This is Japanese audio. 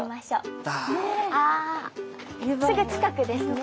すぐ近くですね。